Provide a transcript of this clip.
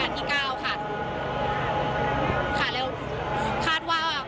ตอนนี้เป็นครั้งหนึ่งครั้งหนึ่ง